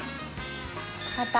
また